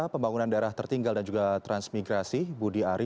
pembangunan daerah tertinggal dan juga transmigrasi budi ari